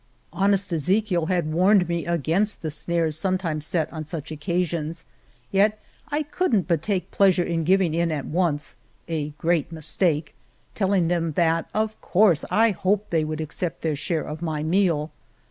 Honest Eze chiel had warned me against the snares sometimes set on such occa sions, yet I couldn't but take pleasure in giving in at once (a great mistake), telling them that, of course, I hoped they would accept their share of my meal.